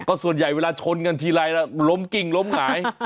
ก็ส่วนใหญ่เวลาชนกันทีไรล้มกิ้งล้มหงาย